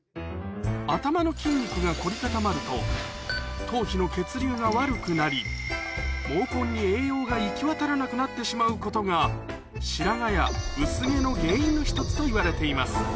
頭の筋肉が凝り固まると頭皮の血流が悪くなり毛根に栄養が行きわたらなくなってしまうことが白髪や薄毛の原因の１つといわれています